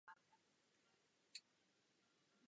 Vážený pane předsedo, chtěl bych uvést dva body.